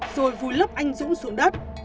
rồi vùi lấp anh dũng xuống đất